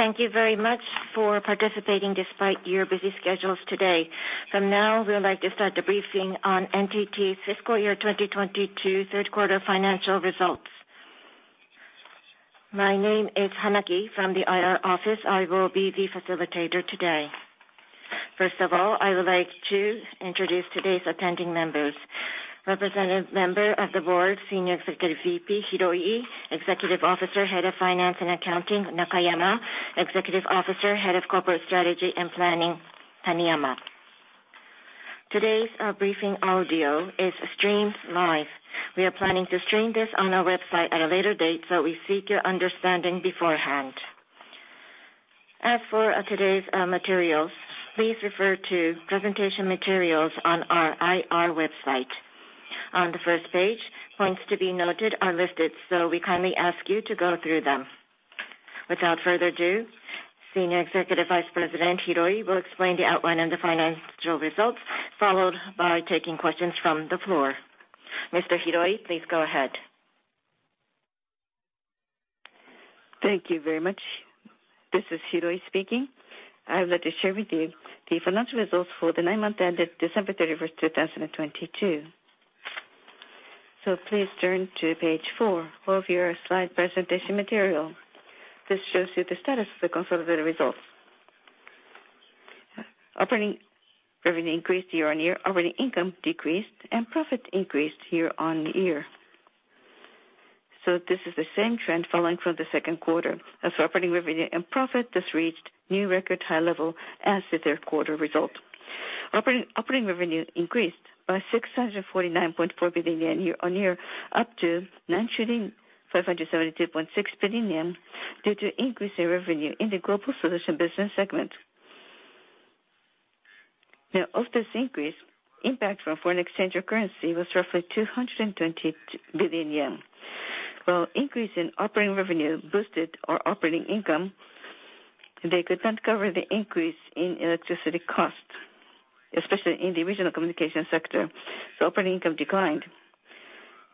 Thank you very much for participating despite your busy schedules today. We would like to start the briefing on NTT's fiscal year 2022 third quarter financial results. My name is Hanaki from the IR Office. I will be the facilitator today. I would like to introduce today's attending members. Representative member of the board, Senior Executive VP, Hiroi. Executive Officer, Head of Finance and Accounting, Nakayama. Executive Officer, Head of Corporate Strategy and Planning, Taniyama. Today's briefing audio is streamed live. We are planning to stream this on our website at a later date. We seek your understanding beforehand. Today's materials, please refer to presentation materials on our IR website. On the first page, points to be noted are listed. We kindly ask you to go through them. Without further ado, Senior Executive Vice President Hiroi will explain the outline and the financial results, followed by taking questions from the floor. Mr. Hiroi, please go ahead. Thank you very much. This is Hiroi speaking. I would like to share with you the financial results for the 9-month ended December 31st, 2022. Please turn to page 4 of your slide presentation material. This shows you the status of the consolidated results. Operating revenue increased year-on-year, operating income decreased, and profit increased year-on-year. This is the same trend following from the second quarter. As for operating revenue and profit, this reached new record high level as the third quarter result. Operating revenue increased by 649.4 billion yen year-on-year, up to 9,572.6 billion yen due to increase in revenue in the Global Solutions Business Segment. Of this increase, impact from foreign exchange or currency was roughly 220 billion yen. Increase in operating revenue boosted our operating income, they could not cover the increase in electricity costs, especially in the Regional Communications sector. The operating income declined.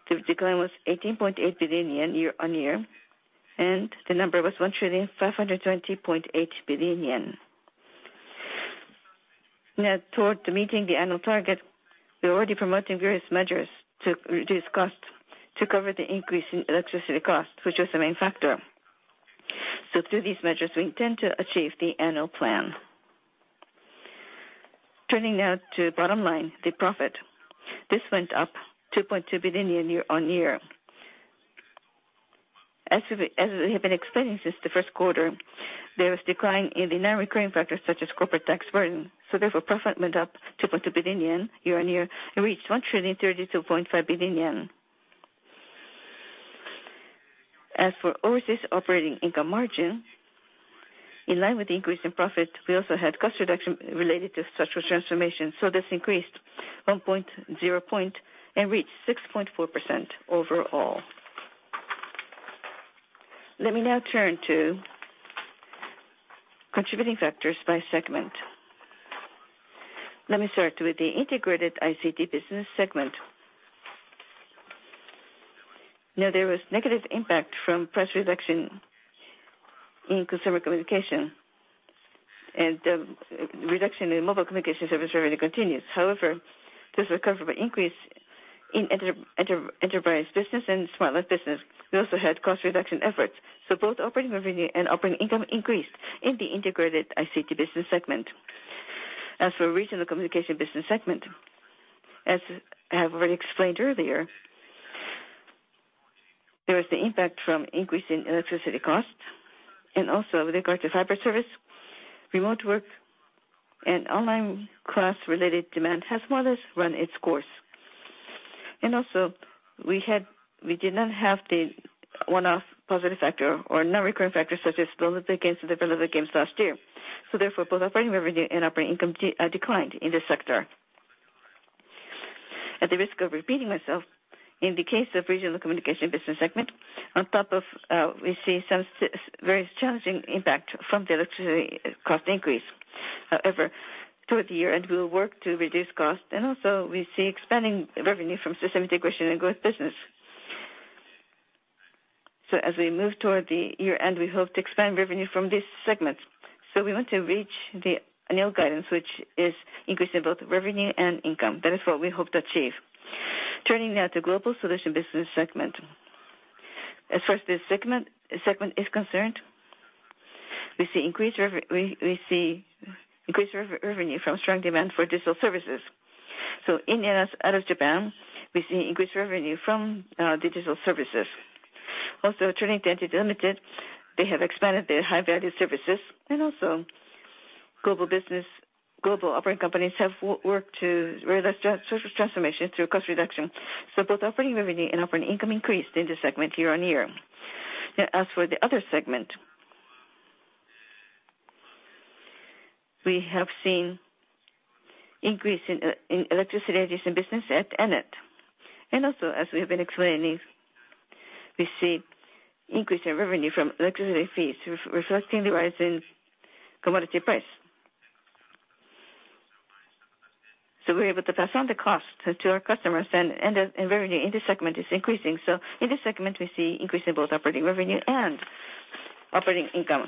The decline was 18.8 billion yen year-on-year, the number was 1,520.8 billion yen. Toward meeting the annual target, we are already promoting various measures to reduce costs to cover the increase in electricity costs, which was the main factor. Through these measures, we intend to achieve the annual plan. Turning now to bottom line, the profit. This went up 2.2 billion year-on-year. As we have been explaining since the first quarter, there was decline in the non-recurring factors such as corporate tax burden. Therefore, profit went up 2.2 billion yen year-on-year and reached 1,032.5 billion yen. As for O&ES operating income margin, in line with the increase in profit, we also had cost reduction related to structural transformation, this increased 1.0 point and reached 6.4% overall. Let me now turn to contributing factors by segment. Let me start with the Integrated ICT Business Segment. There was negative impact from price reduction in consumer communication and reduction in mobile communication service revenue continues. However, this recovered by increase in enterprise business and Smart Life business. We also had cost reduction efforts. Both operating revenue and operating income increased in the Integrated ICT Business Segment. As for Regional Communications Business Segment, as I have already explained earlier, there is the impact from increase in electricity costs. Also with regard to fiber service, remote work and online class-related demand has more or less run its course. We did not have the one-off positive factor or non-recurring factors such as Olympic Games and Paralympic Games last year. Therefore, both operating revenue and operating income declined in this sector. At the risk of repeating myself, in the case of Regional Communications Business Segment, on top of, we see some very challenging impact from the electricity cost increase. However, toward the year-end, we will work to reduce cost. We see expanding revenue from system integration and growth business. As we move toward the year-end, we hope to expand revenue from this segment. We want to reach the annual guidance, which is increase in both revenue and income. That is what we hope to achieve. Turning now to Global Solutions Business Segment. As far as this segment is concerned, we see increased revenue from strong demand for digital services. In and out of Japan, we see increased revenue from digital services. Returning to NTT Limited, they have expanded their high-value services. Global business, global operating companies have worked to realize service transformation through cost reduction. Both operating revenue and operating income increased in this segment year-on-year. As for the other segment, we have seen increase in electricity and business at ENNET. As we have been explaining, we see increase in revenue from electricity fees reflecting the rise in commodity price. We're able to pass on the cost to our customers and revenue in this segment is increasing. In this segment, we see increase in both operating revenue and operating income.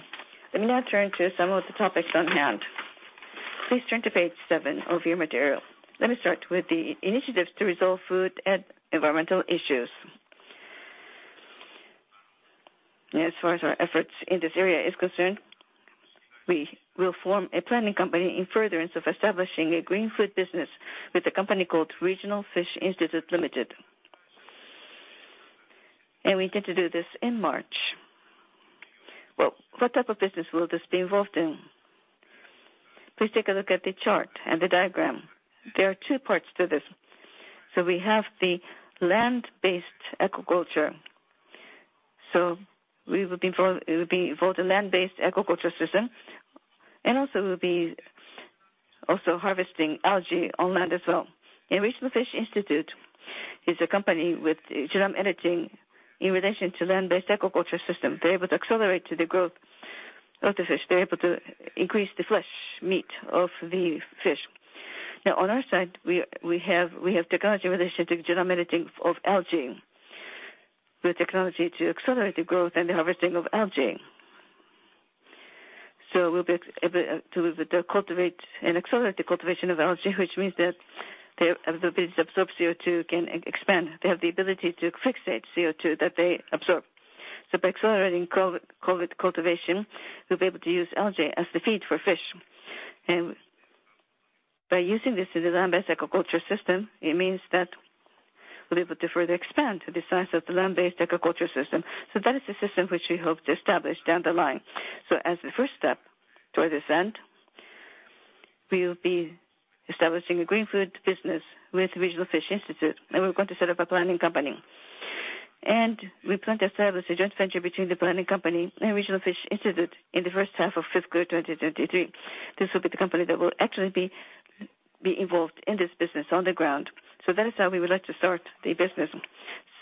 Let me now turn to some of the topics on hand. Please turn to page 7 of your material. Let me start with the initiatives to resolve food and environmental issues. As far as our efforts in this area is concerned, we will form a planning company in furtherance of establishing a green food business with a company called Regional Fish Institute Limited.. We intend to do this in March. Well, what type of business will this be involved in? Please take a look at the chart and the diagram. There are two parts to this. We have the land-based aquaculture. It will be for the land-based aquaculture system, and also we'll be also harvesting algae on land as well. Regional Fish Institute is a company with genome editing in relation to land-based aquaculture system. They're able to accelerate the growth of the fish. They're able to increase the flesh, meat of the fish. Now on our side, we have technology related to genome editing of algae, the technology to accelerate the growth and the harvesting of algae. We'll be able to cultivate and accelerate the cultivation of algae, which means that their ability to absorb CO2 can expand. They have the ability to fixate CO2 that they absorb. By accelerating cultivation, we'll be able to use algae as the feed for fish. By using this as a land-based aquaculture system, it means that we'll be able to further expand the size of the land-based aquaculture system. That is the system which we hope to establish down the line. As the first step towards this end, we will be establishing a green food business with Regional Fish Institute, and we're going to set up a planning company. We plan to establish a joint venture between the planning company and Regional Fish Institute in the first half of fiscal year 2023. This will be the company that will actually be involved in this business on the ground. That is how we would like to start the business.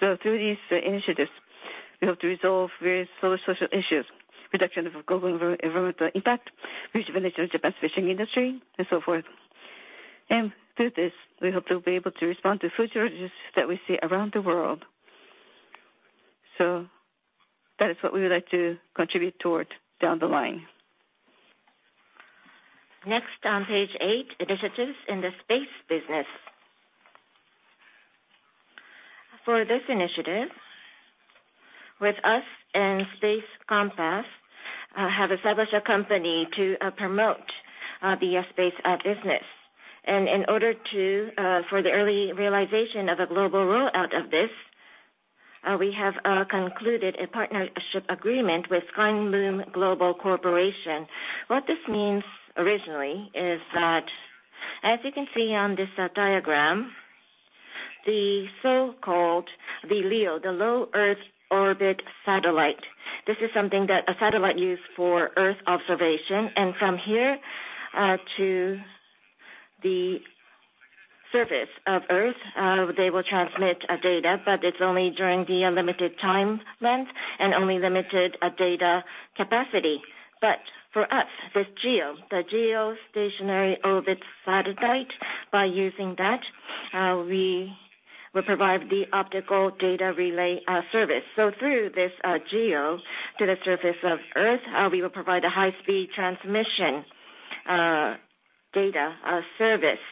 Through these initiatives, we hope to resolve various social issues, reduction of global environmental impact, revitalization of Japan's fishing industry, and so forth. Through this, we hope to be able to respond to food shortages that we see around the world. That is what we would like to contribute toward down the line. Next on page 8, initiatives in the space business. For this initiative, with us and Space Compass, have established a company to promote the space business. In order to for the early realization of a global rollout of this, we have concluded a partnership agreement with Skyloom Global Corporation. This means originally is that, as you can see on this diagram, the so-called the LEO, the low Earth orbit satellite. This is something that a satellite use for Earth observation. From here, to the surface of Earth, they will transmit data, but it's only during the unlimited time length and only limited data capacity. For us, this GEO, the geostationary orbit satellite, by using that, we will provide the optical data relay service. Through this GEO to the surface of Earth, we will provide a high-speed transmission data service.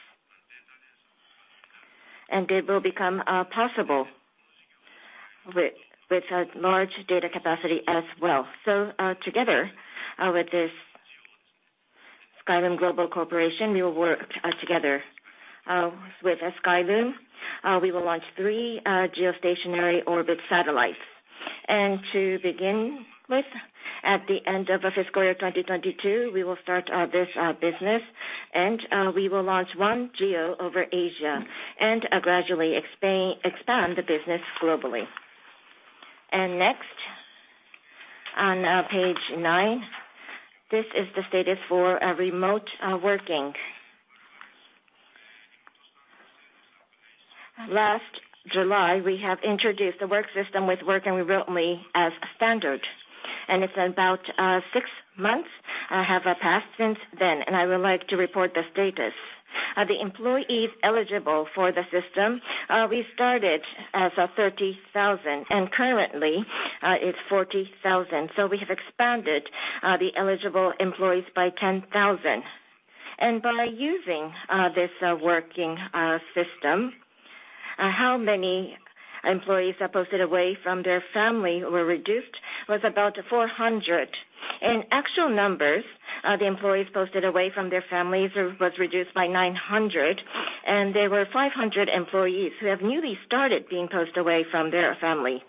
It will become possible with a large data capacity as well. Together with this Skyloom Global Corporation, we will work together with Skyloom. We will launch three geostationary orbit satellites. To begin with, at the end of fiscal year 2022, we will start this business and we will launch one GEO over Asia and gradually expand the business globally. Next, on page nine, this is the status for remote working. Last July, we have introduced the work system with working remotely as standard. It's about six months have passed since then, and I would like to report the status. The employees eligible for the system, we started as 30,000, and currently, it's 40,000. We have expanded the eligible employees by 10,000. By using this working system, how many employees are posted away from their family were reduced was about 400. In actual numbers, the employees posted away from their families was reduced by 900, and there were 500 employees who have newly started being posted away from their family.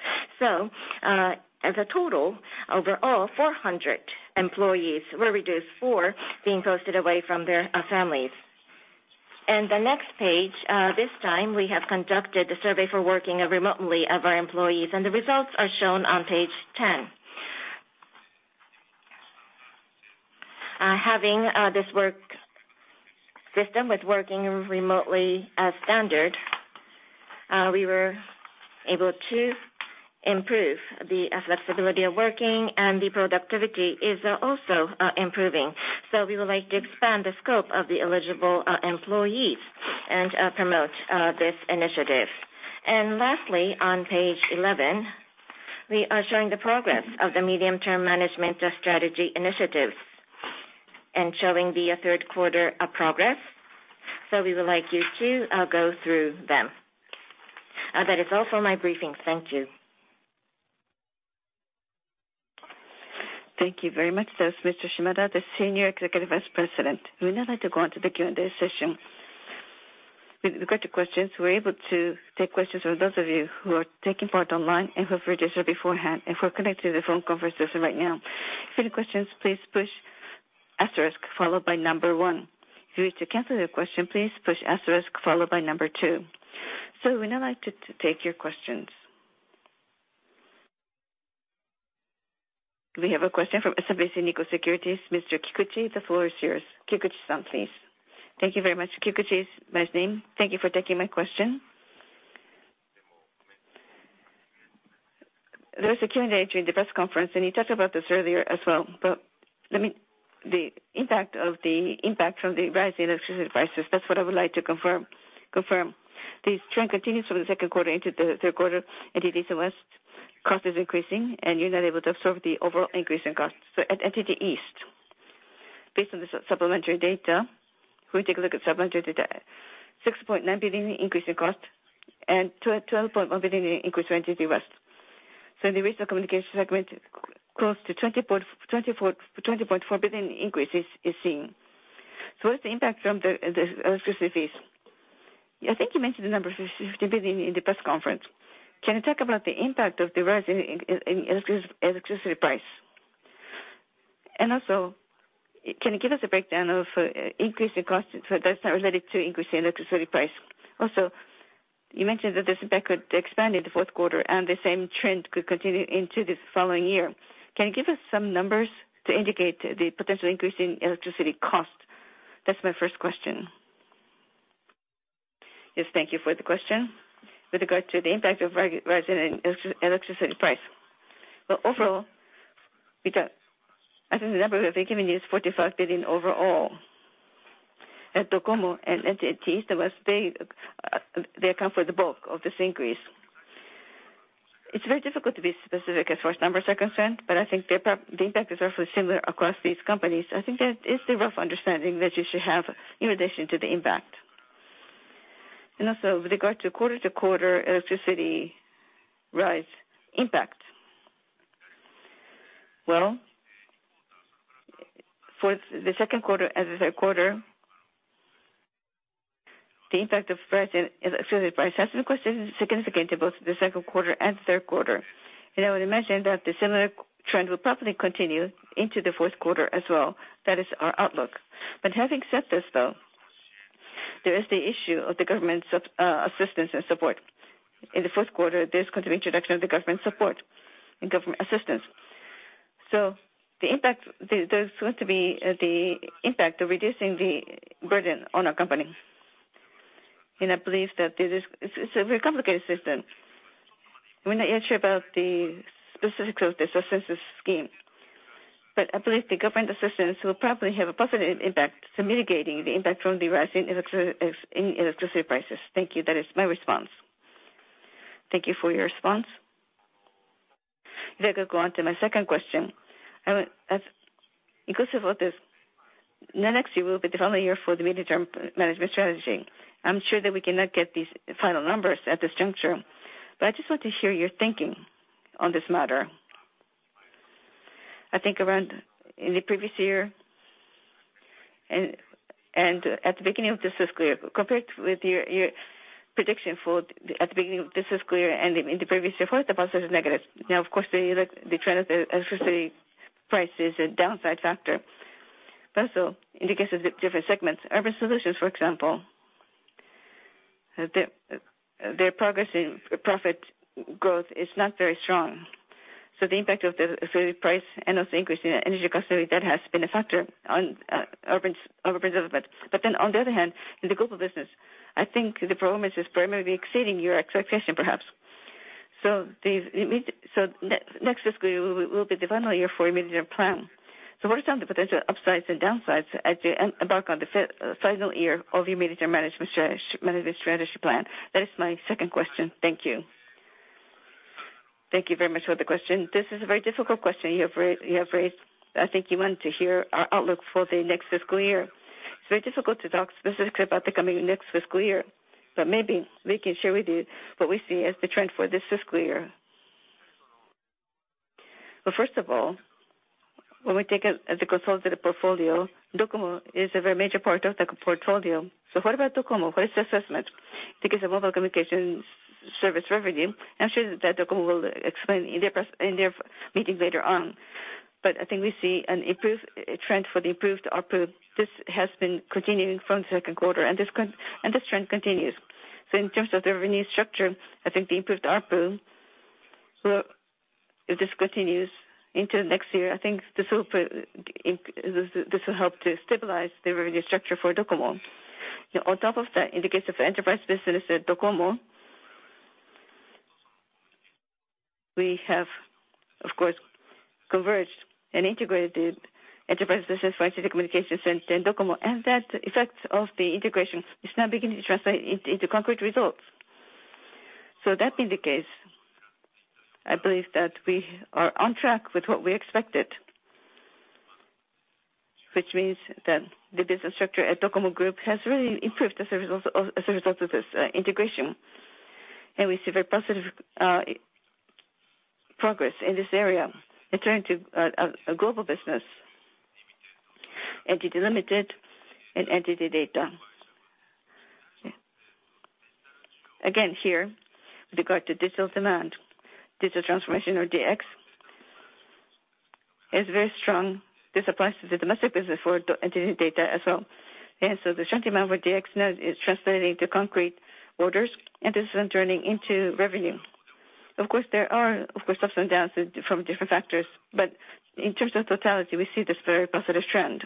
As a total, overall, 400 employees were reduced for being posted away from their families. The next page, this time we have conducted a survey for working remotely of our employees, and the results are shown on page 10. Having this work system with working remotely as standard We were able to improve the flexibility of working and the productivity is also improving. We would like to expand the scope of the eligible employees and promote this initiative. Lastly, on page 11, we are showing the progress of the medium-term management strategy initiatives and showing the third quarter progress. We would like you to go through them. That is all for my briefing. Thank you. Thank you very much. That was Mr. Shimada, Senior Executive Vice President. We would now like to go on to the Q&A session. With regard to questions, we're able to take questions from those of you who are taking part online and who have registered beforehand and who are connected to the phone conference system right now. If you have any questions, please push asterisk followed by number one. If you wish to cancel your question, please push asterisk followed by number two. We would now like to take your questions. We have a question from SMBC Nikko Securities. Mr. Kikuchi, the floor is yours. Kikuchi-san, please. Thank you very much. Kikuchi is my name. Thank you for taking my question. There was a Q&A during the press conference, you talked about this earlier as well. The impact of the impact from the rising electricity prices, that's what I would like to confirm. The trend continues from the second quarter into the third quarter. NTT West cost is increasing, you're now able to absorb the overall increase in costs. At NTT East, based on the supplementary data, if we take a look at supplementary data, 6.9 billion increase in cost and 12.1 billion increase for NTT West. In the Regional Communications Business Segment, close to 20.4 billion increase is seen. What is the impact from the electricity fees? I think you mentioned the number JPY 60 billion in the press conference. Can you talk about the impact of the rise in electricity price? Also, can you give us a breakdown of increase in cost, so that's now related to increase in electricity price. You mentioned that this impact could expand in the fourth quarter and the same trend could continue into this following year. Can you give us some numbers to indicate the potential increase in electricity cost? That's my first question. Yes. Thank you for the question. With regard to the impact of rise in electricity price, well, overall, we got, I think the number that we've given you is 45 billion overall. At DOCOMO and NTT East, they account for the bulk of this increase. It's very difficult to be specific as far as numbers are concerned, but I think the impact is roughly similar across these companies. I think that is the rough understanding that you should have in addition to the impact. Also, with regard to quarter-to-quarter electricity rise impact, well, for the second quarter and the third quarter, the impact of rise in electricity price has been quite significant in both the second quarter and third quarter. I would imagine that the similar trend will probably continue into the fourth quarter as well. That is our outlook. Having said this though, there is the issue of the government's assistance and support. In the fourth quarter, there's going to be introduction of the government support and government assistance. The impact, there's going to be the impact of reducing the burden on our company. I believe that it's a very complicated system. We're not here to about the specifics of the assistance scheme, but I believe the government assistance will probably have a positive impact to mitigating the impact from the rising electricity prices. Thank you. That is my response. Thank you for your response. If I could go on to my second question. Because of what this next year will be the final year for the medium-term management strategy, I'm sure that we cannot get these final numbers at this juncture. I just want to hear your thinking on this matter. I think around in the previous year and at the beginning of this fiscal year, compared with your prediction for at the beginning of this fiscal year and in the previous year, for the most part it was negative. Of course, the trend of the electricity price is a downside factor, but also indicates the different segments. Urban solutions, for example, their progress in profit growth is not very strong. The impact of the electricity price and also increase in energy costs, that has been a factor on urban development. On the other hand, in the global business, I think the problem is primarily exceeding your expectation, perhaps. The next fiscal year will be the final year for your medium-term plan. What are some of the potential upsides and downsides as you embark on the final year of your medium-term management strategy plan? That is my second question. Thank you. Thank you very much for the question. This is a very difficult question you have raised. I think you want to hear our outlook for the next fiscal year. It's very difficult to talk specifically about the coming next fiscal year, but maybe we can share with you what we see as the trend for this fiscal year. First of all, when we take the consolidated portfolio, DOCOMO is a very major part of the portfolio. What about DOCOMO? What is the assessment? I think it's a mobile communications service revenue. I'm sure that DOCOMO will explain in their meeting later on. I think we see an improved trend for the improved ARPU. This has been continuing from second quarter and this trend continues. in terms of the revenue structure, I think the improved ARPU. So if this continues into next year, I think this will put this will help to stabilize the revenue structure for DOCOMO. on top of that, in the case of enterprise business at DOCOMO, we have of course converged and integrated enterprise business for NTT Communications and DOCOMO. that effect of the integration is now beginning to translate into concrete results. That being the case, I believe that we are on track with what we expected, which means that the business structure at DOCOMO Group has really improved as a result of this integration. We see very positive progress in this area. Turning to Global business, NTT Limited and NTT DATA. Again, here, with regard to digital demand, digital transformation or DX is very strong. This applies to the domestic business for NTT DATA as well. The strong demand with DX now is translating to concrete orders, and this is then turning into revenue. There are of course ups and downs from different factors, but in terms of totality, we see this very positive trend.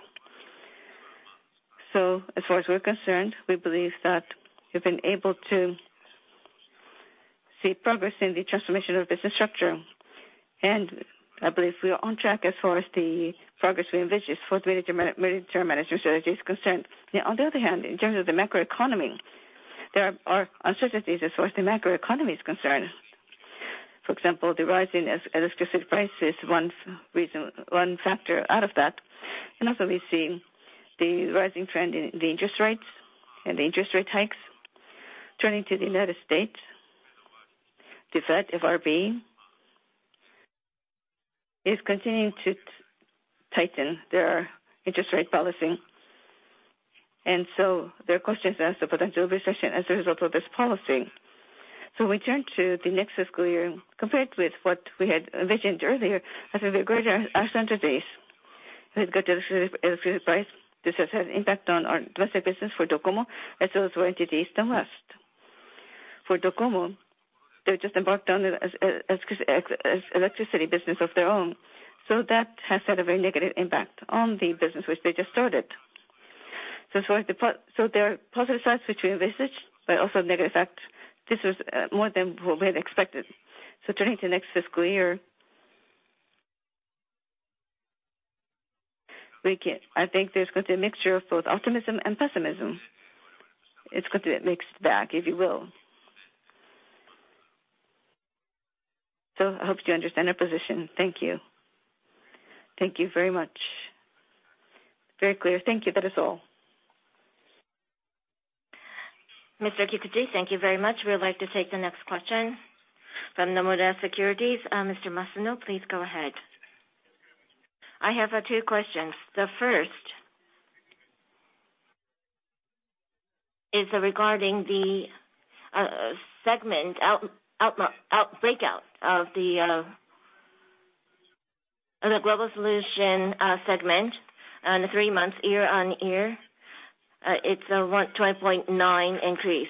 As far as we're concerned, we believe that we've been able to see progress in the transformation of business structure. I believe we are on track as far as the progress we envisaged for the mid-term management strategy is concerned. On the other hand, in terms of the macroeconomy, there are uncertainties as far as the macroeconomy is concerned. For example, the rise in electricity prices, one reason, one factor out of that. Also we've seen the rising trend in the interest rates and the interest rate hikes. Turning to the United States, the Fed, FRB, is continuing to tighten their interest rate policy. There are questions as to potential recession as a result of this policy. We turn to the next fiscal year. Compared with what we had envisioned earlier, as a very great as entered this, we've got electricity price. This has had impact on our domestic business for DOCOMO as well as for NTT East and West. For DOCOMO, they just embarked on an electricity business of their own. That has had a very negative impact on the business which they just started. As far as there are positive sides which we envisaged, but also negative effect. This was more than we had expected. Turning to next fiscal year, I think there's going to be a mixture of both optimism and pessimism. It's going to be a mixed bag, if you will. I hope you understand our position. Thank you. Thank you very much. Very clear. Thank you. That is all. Mr. Kikuchi, thank you very much. We would like to take the next question from Nomura Securities. Mr. Masuno, please go ahead. I have two questions. The first is regarding the segment breakout of the Global Solutions segment. In the three months year-on-year, it's around 12.9 billion increase.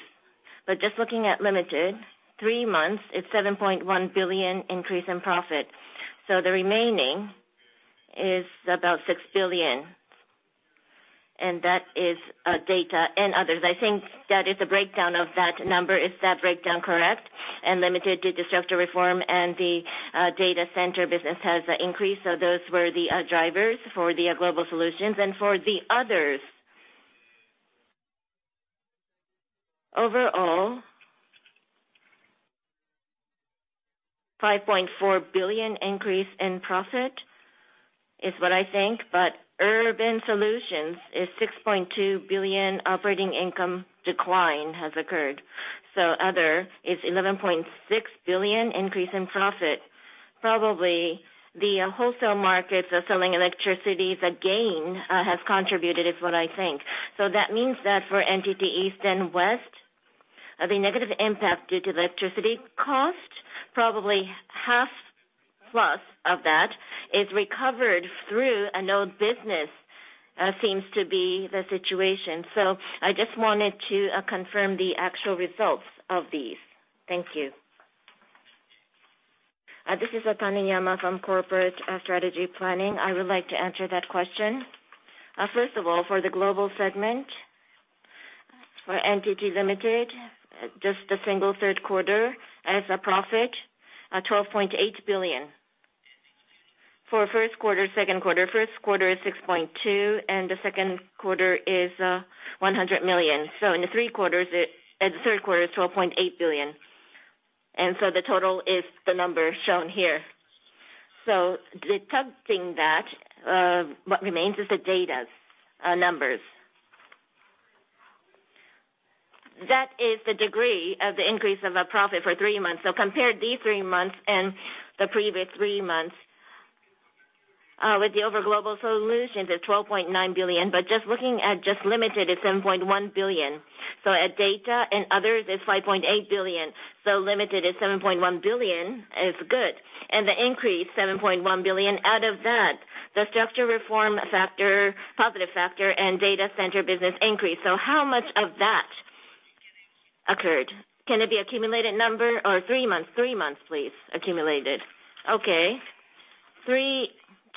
Just looking at Limited, three months, it's 7.1 billion increase in profit. The remaining is about 6 billion, and that is data and others. I think that is the breakdown of that number. Is that breakdown correct? Limited did structure reform and the data center business has increased. Those were the drivers for the Global Solutions. For the others, overall, 5.4 billion increase in profit is what I think. Urban Solutions is 6.2 billion operating income decline has occurred. Other is 11.6 billion increase in profit. Probably the wholesale markets are selling electricity, the gain has contributed is what I think. That means that for NTT East and West, the negative impact due to electricity cost, probably half plus of that is recovered through an old business, seems to be the situation. I just wanted to confirm the actual results of these. Thank you. This is Taniyama from Corporate Strategy Planning. I would like to answer that question. First of all, for the Global segment, for NTT Limited, just the single third quarter as a profit, 12.8 billion. For first quarter, second quarter, first quarter is 6.2 billion, and the second quarter is 100 million. In the three quarters, and the third quarter is 12.8 billion. The total is the number shown here. Deducting that, what remains is the DATA's numbers. That is the degree of the increase of a profit for three months. Compare these three months and the previous three months, with the over Global Solutions is 12.9 billion, but just looking at just Limited is 7.1 billion. At DATA and Others is 5.8 billion. Limited is 7.1 billion is good. The increase, 7.1 billion, out of that, the structure reform factor, positive factor and data center business increase. How much of that? Occurred. Can it be accumulated number or three months? Three months please, accumulated. Okay.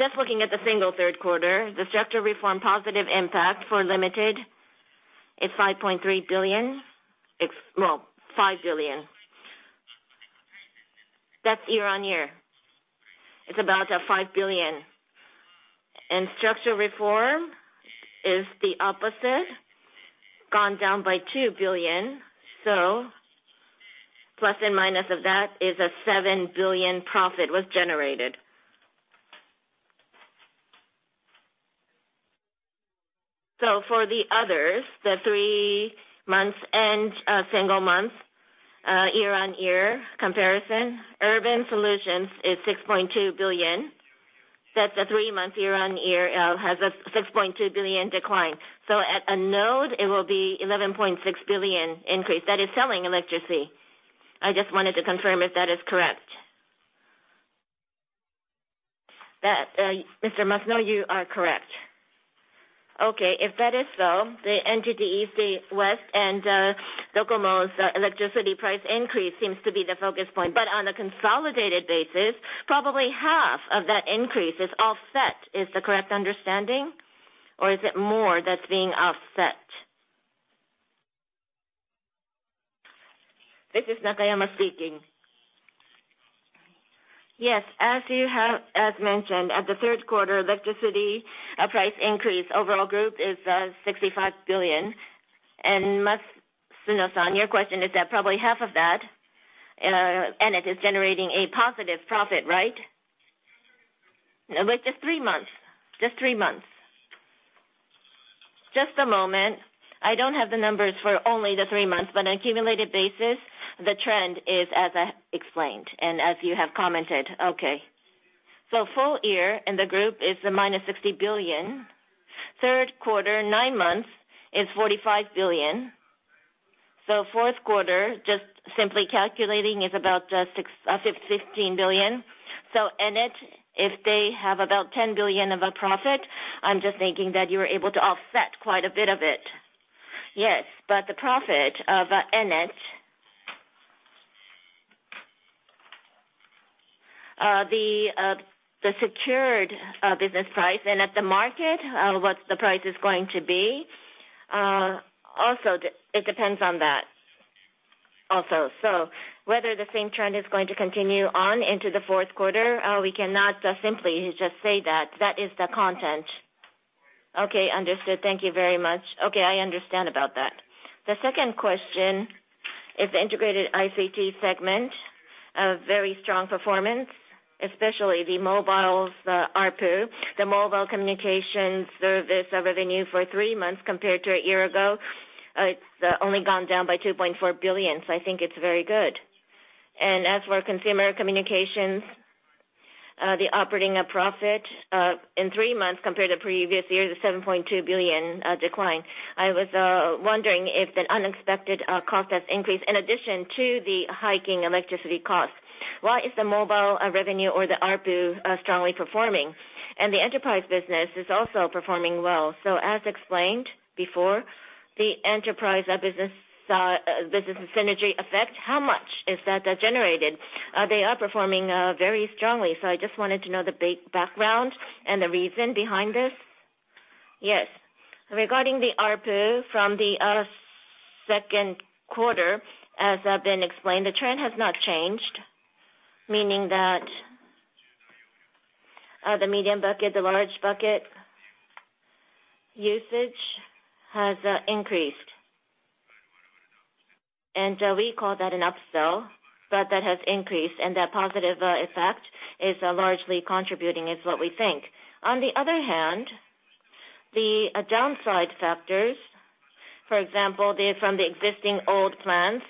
Just looking at the single third quarter, the structure reform positive impact for limited is 5.3 billion. It's, well, 5 billion. That's year-on-year. It's about 5 billion. Structural reform is the opposite, gone down by 2 billion. Plus and minus of that is a 7 billion profit was generated. For the others, the three months and single month year-on-year comparison, urban solutions is 6.2 billion. That's a 3-month year-on-year, has a 6.2 billion decline. At a node, it will be 11.6 billion increase. That is selling electricity. I just wanted to confirm if that is correct. That Mr. Masuno, you are correct. Okay. If that is so, the NTT East, the NTT West, and DOCOMO's electricity price increase seems to be the focus point. On a consolidated basis, probably half of that increase is offset. Is the correct understanding or is it more that's being offset? This is Nakayama speaking. Yes, as you have mentioned, at the third quarter, electricity price increase overall group is 65 billion. Masuno-san, your question is that probably half of that ENNET is generating a positive profit, right? No, just three months. Just three months. Just a moment. I don't have the numbers for only the three months, on an accumulated basis, the trend is as I explained and as you have commented. Okay. Full year in the group is a minus 60 billion. Third quarter, nine months is 45 billion. Fourth quarter, just simply calculating, is about 15 billion. ENNET, if they have about 10 billion of a profit, I'm just thinking that you're able to offset quite a bit of it. The profit of ENNET, the secured business price and at the market, what the price is going to be, also it depends on that also. Whether the same trend is going to continue on into the fourth quarter, we cannot simply just say that that is the content. Understood. Thank you very much. I understand about that. The second question is the Integrated ICT Business Segment, a very strong performance, especially the mobile's ARPU, the mobile communication service of revenue for three months compared to a year ago, it's only gone down by 2.4 billion. I think it's very good. As for consumer communications, the operating profit in three months compared to previous years, a 7.2 billion decline. I was wondering if an unexpected cost has increased in addition to the hiking electricity cost. Why is the mobile revenue or the ARPU strongly performing? The enterprise business is also performing well. As explained before, the enterprise business synergy effect, how much is that generated? They are performing very strongly. I just wanted to know the back-background and the reason behind this. Yes. Regarding the ARPU from the second quarter, as been explained, the trend has not changed, meaning that the medium bucket, the large bucket usage has increased. We call that an upsell, but that has increased, and that positive effect is largely contributing is what we think. On the other hand, the downside factors, for example, the from the existing old plans,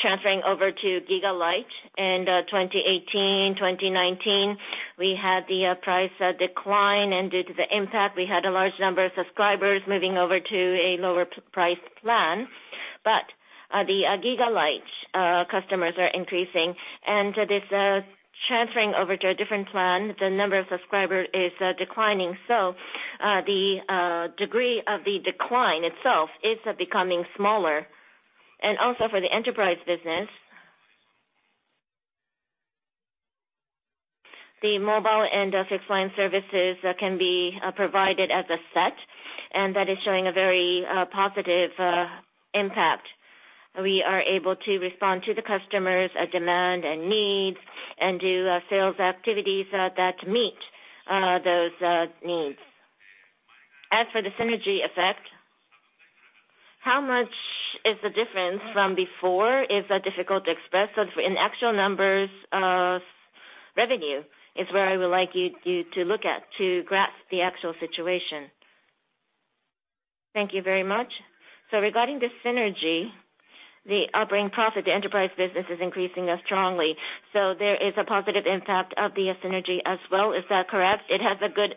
transferring over to Gigalight in 2018, 2019, we had the price decline and due to the impact, we had a large number of subscribers moving over to a lower price plan. The Gigalight customers are increasing and this transferring over to a different plan, the number of subscriber is declining. The degree of the decline itself is becoming smaller. Also for the enterprise business, the mobile and fixed line services can be provided as a set, and that is showing a very positive impact. We are able to respond to the customers' demand and needs and do sales activities that meet those needs. As for the synergy effect, how much is the difference from before is difficult to express. In actual numbers of revenue is where I would like you to look at to grasp the actual situation. Thank you very much. Regarding the synergy, the operating profit, the enterprise business is increasing strongly. There is a positive impact of the synergy as well. Is that correct? It has a good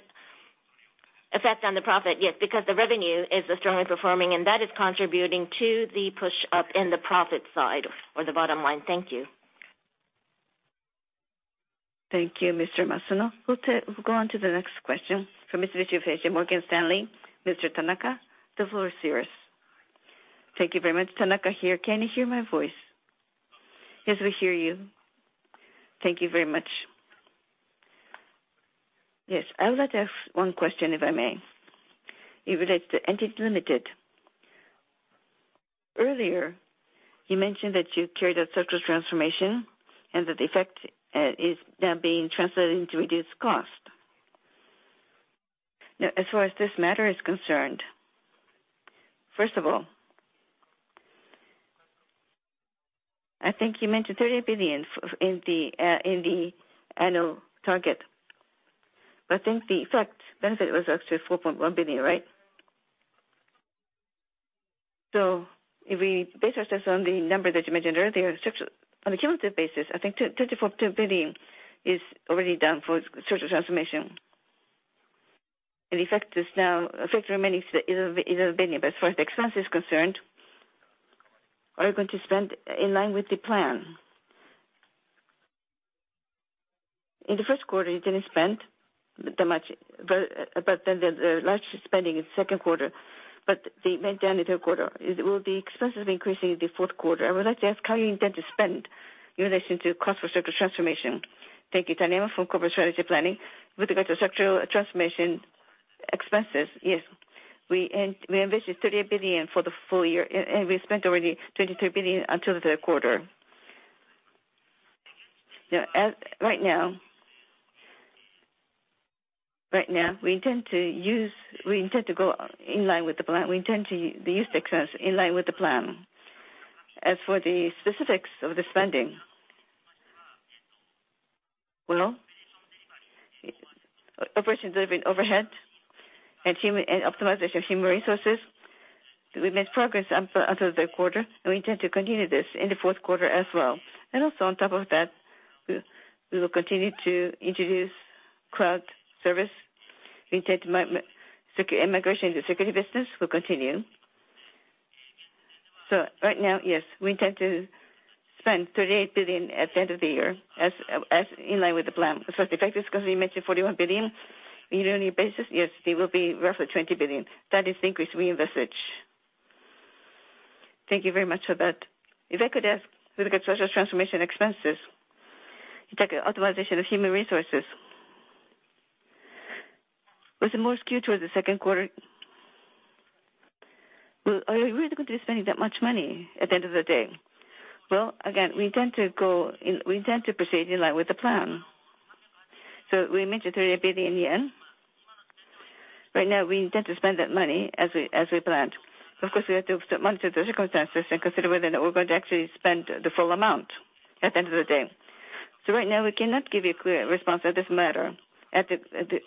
effect on the profit, yes, because the revenue is strongly performing, and that is contributing to the push up in the profit side or the bottom line. Thank you Thank you, Mr. Masuno. We'll go on to the next question from Mr. Morgan Stanley. Mr. Tanaka, the floor is yours. Thank you very much. Tanaka here. Can you hear my voice? Yes, we hear you. Thank you very much. Yes. I would like to ask one question, if I may. It relates to NTT Limited. Earlier, you mentioned that you carried out structural transformation and that the effect is now being translated into reduced cost. Now, as far as this matter is concerned, first of all, I think you mentioned 30 billion in the annual target. But I think the effect benefit was actually 4.1 billion, right? So if we base ourselves on the number that you mentioned earlier, structural on a cumulative basis, I think 34 billion is already down for structural transformation. The effect remaining is JPY 1 billion. As far as expense is concerned, are you going to spend in line with the plan? In the first quarter, you didn't spend that much, but then the large spending is second quarter, but the maintenance quarter. Will the expenses be increasing in the fourth quarter? I would like to ask how you intend to spend in relation to cost for structural transformation. Thank you, Tanaka, for corporate strategy planning. With regard to structural transformation expenses, yes. We invested 30 billion for the full year, and we spent already 23 billion until the third quarter. As right now, we intend to go in line with the plan. We intend to use success in line with the plan. As for the specifics of the spending. Well, operations have been overhead and optimization of human resources. We made progress until the quarter, and we intend to continue this in the fourth quarter as well. Also on top of that, we will continue to introduce cloud service. We intend to secure immigration. The security business will continue. Right now, yes, we intend to spend 38 billion at the end of the year as in line with the plan. As far as the effect is concerned, we mentioned 41 billion. Year-on-year basis, yes, it will be roughly 20 billion. That is the increase we invest. Thank you very much for that. If I could ask, with regard structural transformation expenses, you talked optimization of human resources. Was it more skewed towards the second quarter? Well, are you really going to be spending that much money at the end of the day? Again, we intend to proceed in line with the plan. We mentioned 30 billion yen. Right now, we intend to spend that money as we, as we planned. Of course, we have to monitor the circumstances and consider whether or not we're going to actually spend the full amount at the end of the day. Right now, we cannot give you a clear response on this matter at the...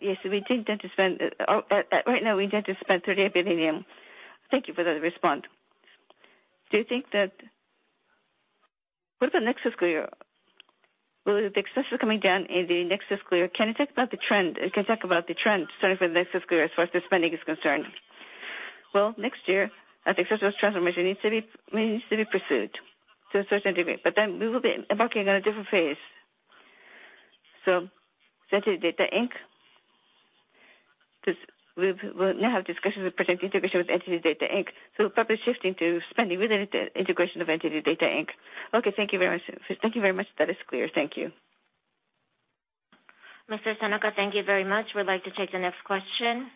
Yes, we do intend to spend, at right now, we intend to spend 30 billion. Thank you for that response. Do you think that with the next fiscal year, will the expenses coming down in the next fiscal year? Can you talk about the trend starting from next fiscal year as far as the spending is concerned? Next year, I think structural transformation needs to be pursued to a certain degree. We will be embarking on a different phase. NTT DATA, Inc. We will now have discussions with potential integration with NTT DATA, Inc. Probably shifting to spending within integration of NTT DATA, Inc. Okay. Thank you very much. Thank you very much. That is clear. Thank you. Mr. Tanaka, thank you very much. We'd like to take the next question.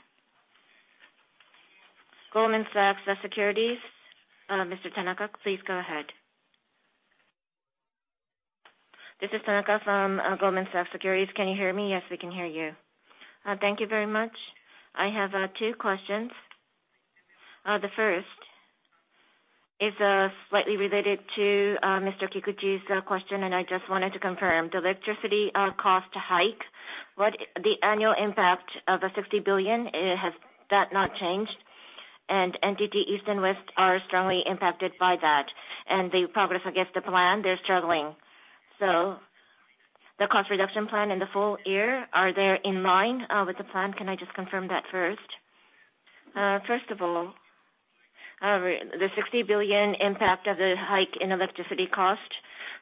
Goldman Sachs Securities. Mr. Tanaka, please go ahead. This is Tanaka from Goldman Sachs Securities. Can you hear me? Yes, we can hear you. Thank you very much. I have two questions. The first is slightly related to Mr. Kikuchi's question, I just wanted to confirm. The electricity cost hike, what the annual impact of 60 billion, has that not changed? NTT East and West are strongly impacted by that. They probably forget the plan. They're struggling. The cost reduction plan in the full year, are they in line with the plan? Can I just confirm that first? First of all, the 60 billion impact of the hike in electricity cost,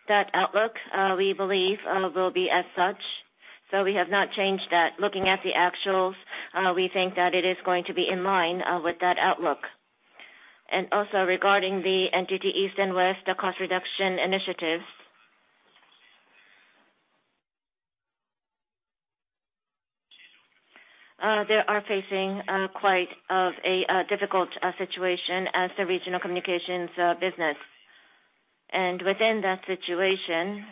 that outlook, we believe, will be as such. We have not changed that. Looking at the actuals, we think that it is going to be in line with that outlook. Regarding the NTT East and West, the cost reduction initiatives. They are facing quite of a difficult situation as the regional communications business. Within that situation,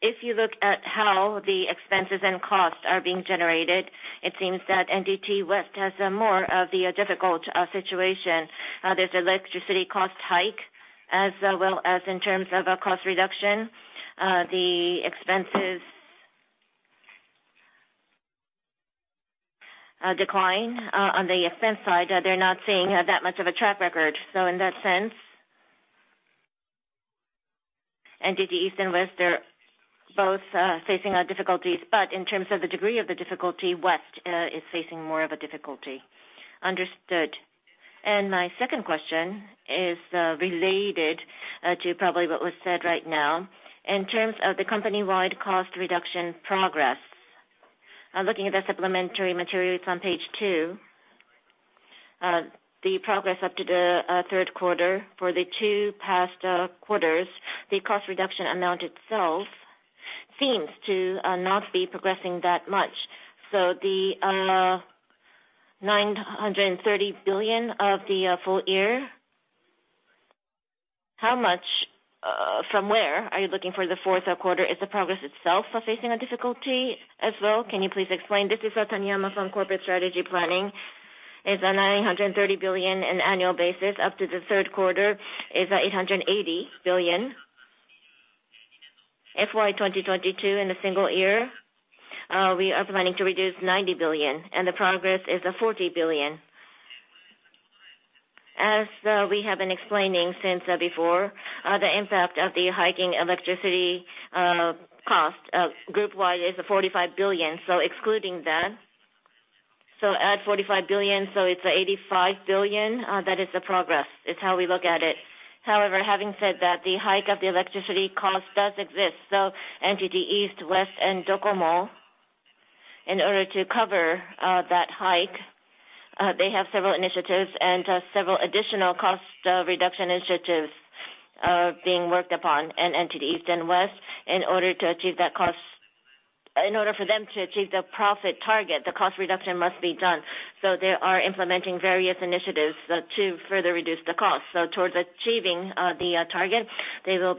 if you look at how the expenses and costs are being generated, it seems that NTT West has a more of the difficult situation. There's electricity cost hike as well as in terms of a cost reduction. The expenses decline on the expense side, they're not seeing that much of a track record. In that sense, NTT East and West are both facing difficulties. In terms of the degree of the difficulty, West is facing more of a difficulty. Understood. My second question is related to probably what was said right now. In terms of the company-wide cost reduction progress, I'm looking at the supplementary materials on page two. The progress up to the third quarter for the two past quarters, the cost reduction amount itself seems to not be progressing that much. The 930 billion of the full year, how much from where are you looking for the fourth quarter? Is the progress itself facing a difficulty as well? Can you please explain? This is Taniyama from Corporate Strategy Planning. It's 930 billion in annual basis. Up to the third quarter is 880 billion. FY 2022 in a single year, we are planning to reduce 90 billion, and the progress is 40 billion. As we have been explaining since before, the impact of the hiking electricity cost group wide is 45 billion, so excluding that. Add 45 billion, so it's 85 billion. That is the progress. It's how we look at it. However, having said that, the hike of the electricity cost does exist. NTT East, West, and DOCOMO, in order to cover that hike, they have several initiatives and several additional cost reduction initiatives being worked upon in NTT East and West in order to achieve that cost. In order for them to achieve the profit target, the cost reduction must be done. They are implementing various initiatives to further reduce the cost. Towards achieving the target, they will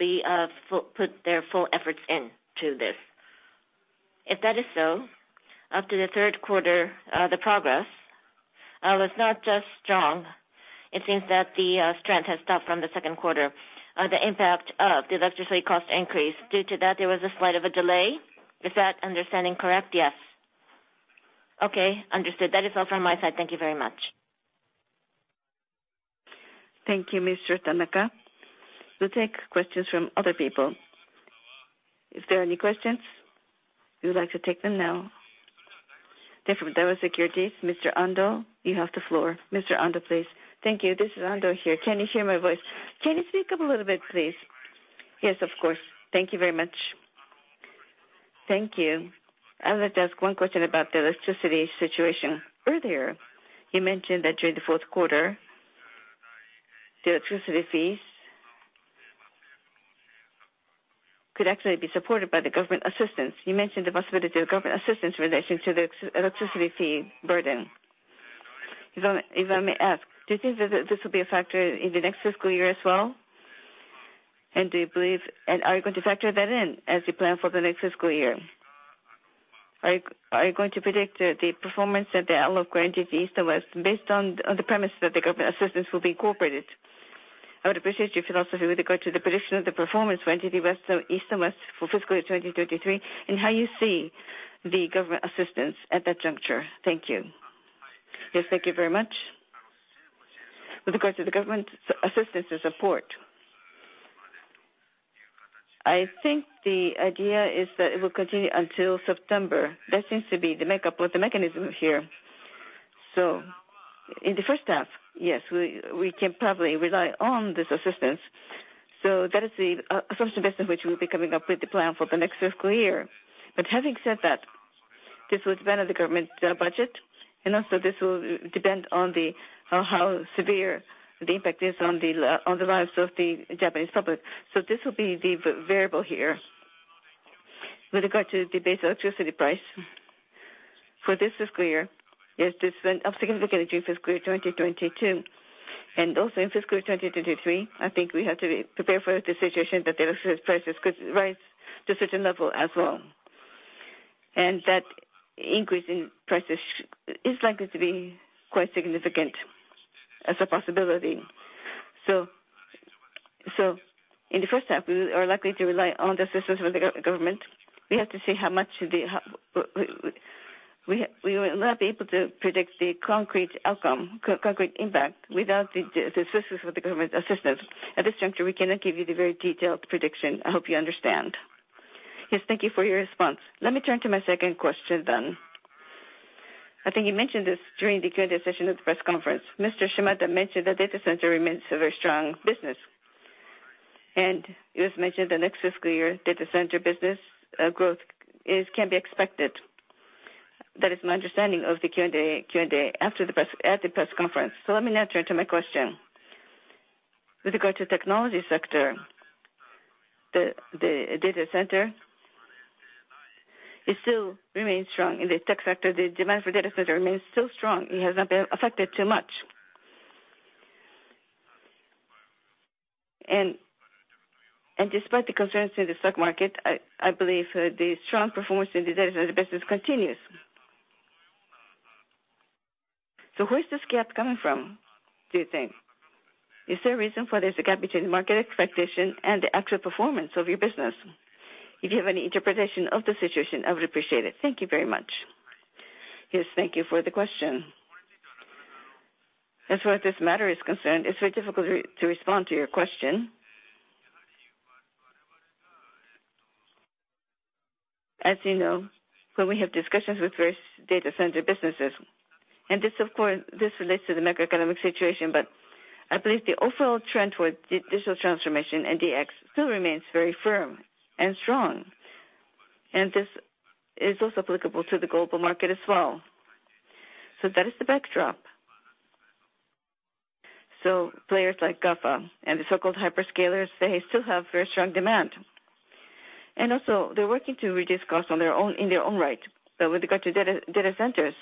put their full efforts into this. If that is so, up to the third quarter, the progress was not just strong. It seems that the strength has stopped from the second quarter, the impact of the electricity cost increase. Due to that, there was a slight of a delay. Is that understanding correct? Yes. Okay. Understood. That is all from my side. Thank you very much. Thank you, Mr. Tanaka. We'll take questions from other people. If there are any questions, we would like to take them now. They're from Daiwa Securities. Mr. Ando, you have the floor. Mr. Ando, please. Thank you. This is Ando here. Can you hear my voice? Can you speak up a little bit, please? Yes, of course. Thank you very much. Thank you. I would like to ask one question about the electricity situation. Earlier, you mentioned that during the fourth quarter, the electricity fees could actually be supported by the government assistance. You mentioned the possibility of government assistance in relation to the electricity fee burden. If I may ask, do you think that this will be a factor in the next fiscal year as well? Are you going to factor that in as you plan for the next fiscal year? Are you going to predict the performance at the outlook for NTT East and West based on the premise that the government assistance will be incorporated? I would appreciate your philosophy with regard to the prediction of the performance for NTT West, East and West for fiscal 2023, and how you see the government assistance at that juncture. Thank you. Yes, thank you very much. With regard to the government assistance and support, I think the idea is that it will continue until September. That seems to be the makeup of the mechanism here. In the first half, yes, we can probably rely on this assistance. That is the first investment which we'll be coming up with the plan for the next fiscal year. Having said that, this would benefit the government budget, and also this will depend on how severe the impact is on the lives of the Japanese public. This will be the variable here. With regard to the base electricity price for this fiscal year, yes, this went up significantly during fiscal year 2022, and also in fiscal 2023, I think we have to be prepared for the situation that the electricity prices could rise to a certain level as well. That increase in prices is likely to be quite significant as a possibility. In the first half, we are likely to rely on the assistance from the government. We have to see we will not be able to predict the concrete outcome, concrete impact without the assistance from the government assistance. At this juncture, we cannot give you the very detailed prediction. I hope you understand. Yes. Thank you for your response. Let me turn to my second question. I think you mentioned this during the Q&A session of the press conference. Mr. Shimada mentioned that data center remains a very strong business, and it was mentioned the next fiscal year data center business growth can be expected. That is my understanding of the Q&A after the press conference. Let me now turn to my question. With regard to the technology sector, the data center, it still remains strong. In the tech sector, the demand for data center remains still strong. It has not been affected too much. Despite the concerns in the stock market, I believe the strong performance in the data center business continues. Where is the gap coming from, do you think? Is there a reason why there's a gap between the market expectation and the actual performance of your business? If you have any interpretation of the situation, I would appreciate it. Thank you very much. Yes. Thank you for the question. As far as this matter is concerned, it's very difficult to respond to your question. As you know, when we have discussions with various data center businesses, this of course, this relates to the macroeconomic situation, but I believe the overall trend towards digital transformation and DX still remains very firm and strong. This is also applicable to the global market as well. That is the backdrop. Players like GAFA and the so-called hyperscalers, they still have very strong demand. And also they're working to reduce costs on their own, in their own right. With regard to data centers,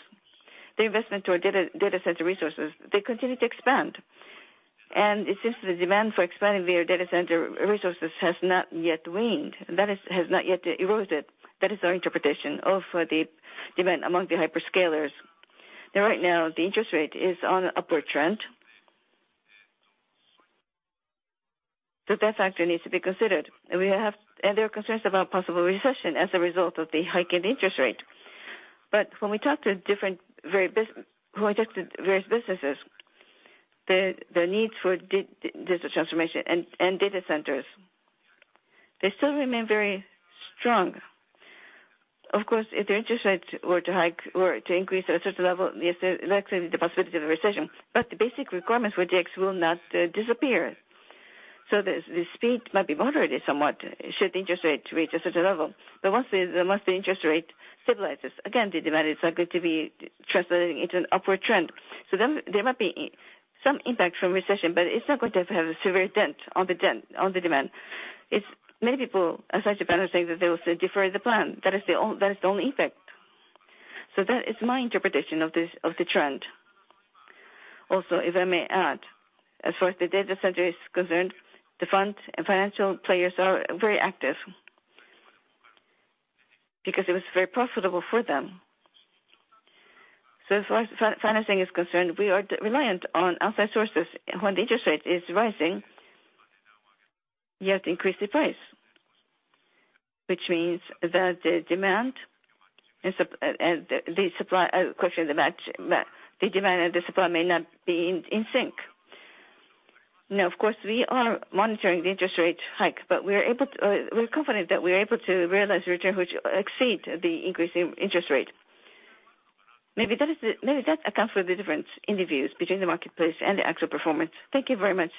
the investment to our data center resources, they continue to expand. It seems the demand for expanding their data center resources has not yet waned, that is, has not yet eroded. That is our interpretation of the demand among the hyperscalers. Right now, the interest rate is on an upward trend. That factor needs to be considered. There are concerns about possible recession as a result of the hike in interest rate. When we talk to different, when we talk to various businesses, the need for digital transformation and data centers, they still remain very strong. If the interest rates were to hike or to increase at a certain level, yes, there, that creates the possibility of a recession, the basic requirements for DX will not disappear. The speed might be moderated somewhat should the interest rate reach a certain level. Once the interest rate stabilizes, again, the demand is going to be translating into an upward trend. There might be some impact from recession, but it's not going to have a severe dent on the demand. It's maybe people, as I said, saying that they will defer the plan. That is the only effect. That is my interpretation of the trend. If I may add, as far as the data center is concerned, the fund and financial players are very active because it was very profitable for them. As far as financing is concerned, we are reliant on outside sources. When the interest rate is rising, you have to increase the price, which means that the demand and the supply, question of the match, the demand and the supply may not be in sync. Of course, we are monitoring the interest rate hike, but we are able to, we're confident that we are able to realize return which exceed the increase in interest rate. Maybe that is the, maybe that accounts for the difference in the views between the marketplace and the actual performance. Thank you very much.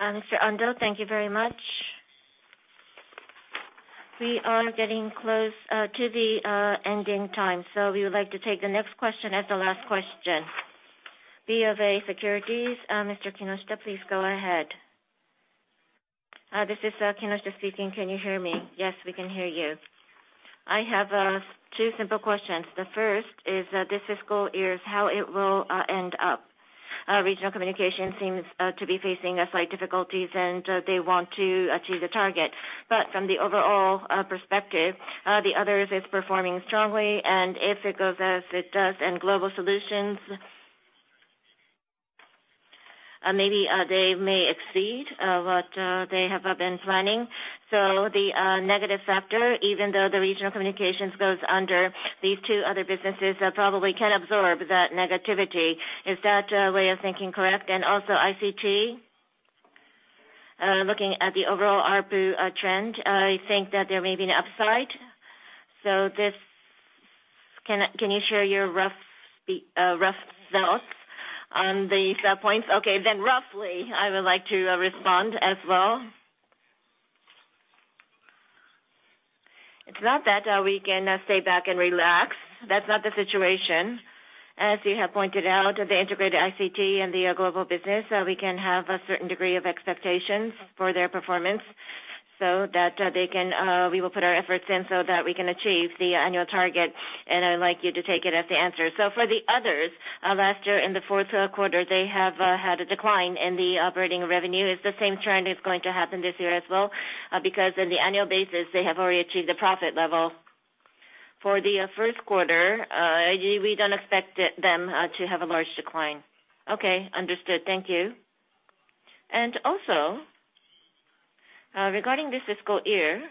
Mr. Ando, thank you very much. We are getting close to the ending time. We would like to take the next question as the last question. BofA Securities, Mr. Kinoshita, please go ahead. This is Kinoshita speaking. Can you hear me? Yes, we can hear you. I have two simple questions. The first is, this fiscal year, how it will end up. Regional Communications seems to be facing a slight difficulties, and they want to achieve the target. From the overall perspective, the others is performing strongly, and if it goes as it does in Global Solutions, maybe they may exceed what they have been planning. The negative factor, even though the Regional Communications goes under these two other businesses, probably can absorb that negativity. Is that way of thinking correct? Also ICT, looking at the overall ARPU trend, I think that there may be an upside. Can you share your rough thoughts on these points? Roughly, I would like to respond as well. It's not that we can stay back and relax. That's not the situation. As you have pointed out, the Integrated ICT and the Global business, we can have a certain degree of expectations for their performance so that they can, we will put our efforts in so that we can achieve the annual target, and I would like you to take it as the answer. For the others, last year in the fourth quarter, they have had a decline in the operating revenue. It's the same trend is going to happen this year as well, because on the annual basis, they have already achieved the profit level. For the first quarter, we don't expect them to have a large decline. Okay. Understood. Thank you. Regarding this fiscal year,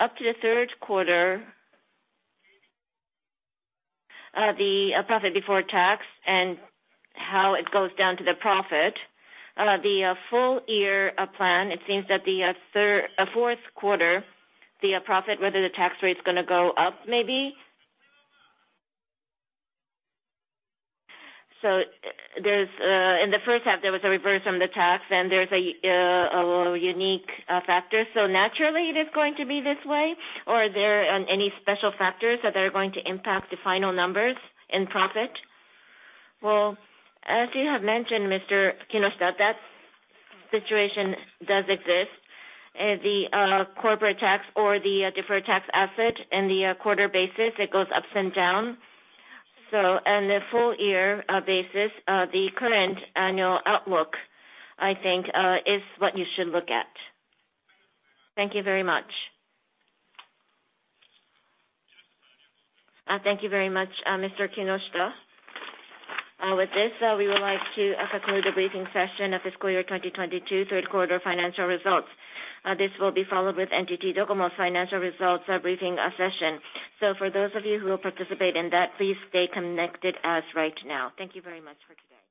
up to the third quarter, the profit before tax and how it goes down to the profit, the full year plan, it seems that the third, fourth quarter, the profit, whether the tax rate is gonna go up maybe. There's in the first half, there was a reverse on the tax and there's a little unique factor. Naturally, it is going to be this way? Or are there any special factors that are going to impact the final numbers in profit? As you have mentioned, Mr. Kinoshita, that situation does exist. The corporate tax or the deferred tax asset in the quarter basis, it goes up and down. On the full year basis, the current annual outlook, I think, is what you should look at. Thank you very much. Thank you very much, Mr. Kinoshita. With this, we would like to conclude the briefing session of fiscal year 2022, third quarter financial results. This will be followed with NTT DOCOMO financial results, briefing, session. For those of you who will participate in that, please stay connected as right now. Thank you very much for today.